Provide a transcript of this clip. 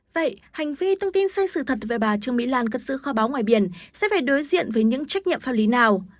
vậy hành vi thông tin sai sự thật về bà trương mỹ lan cất giữ kho báo ngoài biển sẽ phải đối diện với những trách nhiệm pháp lý nào